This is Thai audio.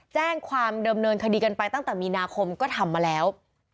แจ้งความเดิมเนินคดีกันไปตั้งแต่มีนาคมก็ทำมาแล้ว